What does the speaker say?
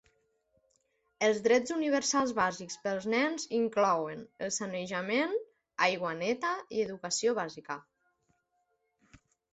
Els drets universals bàsics pels nens inclouen el sanejament, aigua neta i educació bàsica.